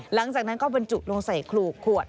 หลังจากนั้นก็บรรจุลงใส่ขลูขวด